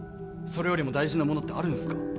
それよりも大事なものってあるんすか？